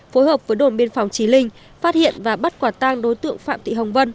phối hợp với đồn biên phòng trí linh phát hiện và bắt quả tang đối tượng phạm thị hồng vân